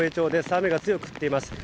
雨が強く降っています。